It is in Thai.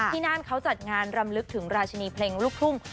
นั่นเขาจัดงานรำลึกถึงราชินีเพลงลูกทุ่ง